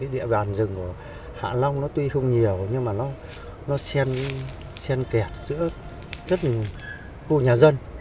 địa bàn rừng của hạ long tuy không nhiều nhưng nó xen kẹt giữa rất nhiều khu nhà dân